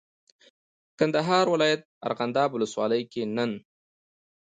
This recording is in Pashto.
کندهار ولایت ارغنداب ولسوالۍ کې نن